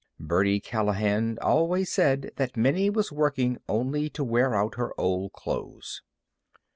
Birdie Callahan always said that Minnie was working only to wear out her old clothes.